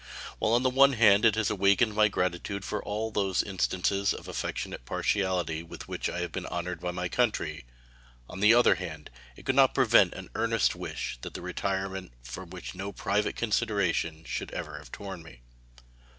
While on the one hand it awakened my gratitude for all those instances of affectionate partiality with which I have been honored by my country, on the other it could not prevent an earnest wish for that retirement from which no private consideration should ever have torn me.